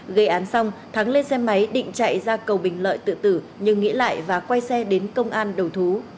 gây án xong thắng lên xe máy định chạy ra cầu bình lợi tự tử nhưng nghĩ lại và quay xe đến công an đầu thú